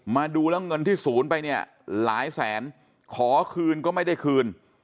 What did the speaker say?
มาดูแล้วเงินที่ศูนย์ไปเนี่ยหลายแสนขอคืนก็ไม่ได้คืน